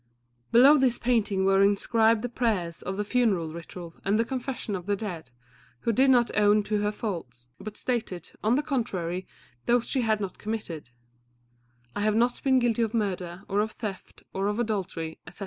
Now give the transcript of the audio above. Below this painting were inscribed the prayers of the funeral ritual and the confession of the dead, who did not own to her faults, but stated, on the contrary, those she had not committed, "I have not been guilty of murder, or of theft, or of adultery," etc.